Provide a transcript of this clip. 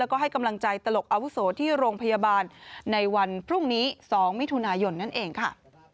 แล้วก็ให้กำลังใจตลกอาวุโสที่โรงพยาบาลในวันพรุ่งนี้๒มิถุนายนนั่นเองค่ะ